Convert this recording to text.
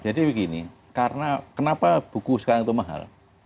jadi begini karena kenapa buku sekarang itu mahal